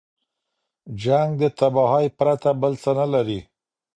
جنګ د تباهۍ پرته بل څه نه لري.